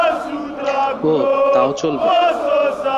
ওহ, তাও চলবে।